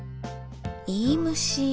いいむし？